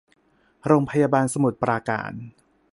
โรงพยาบาลสมุทรปราการ